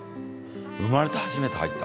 生まれて初めて入った。